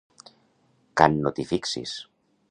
Can no t'hi fixis.